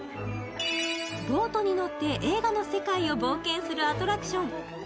ボートに乗って映画の世界を冒険するアトラクション。